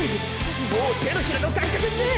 もう手のひらの感覚ねぇ！！